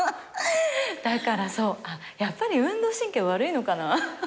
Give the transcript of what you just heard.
だからそうやっぱり運動神経悪いのかな？